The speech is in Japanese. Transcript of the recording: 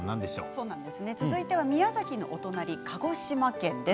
続いては宮崎のお隣鹿児島県です。